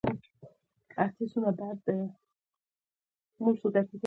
خوب د خپل ځان سره روغه ده